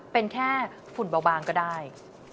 เป็นแค่ฝุ่นแบวก็ได้